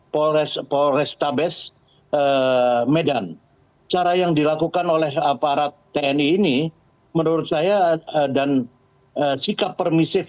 polres polrestabes medan cara yang dilakukan oleh aparat tni ini menurut saya dan sikap permisif